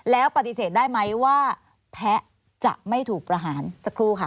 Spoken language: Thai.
แล้วปฏิเสธได้ไหมว่าแพ้จะไม่ถูกประหารสักครู่ค่ะ